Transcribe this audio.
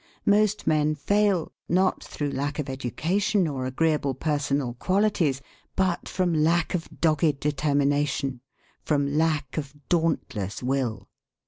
Most men fail, not through lack of education or agreeable personal qualities, but from lack of dogged determination, from lack of dauntless will.